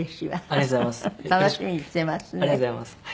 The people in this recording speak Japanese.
ありがとうございます。